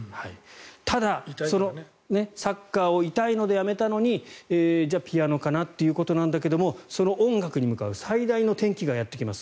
ただ、サッカーを痛いのでやめたのにじゃあピアノのかなってなるんだけどその音楽に向かう最大の転機がやってきます。